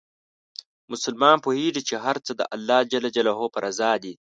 مسلمان پوهېږي چې هر څه د الله په رضا دي.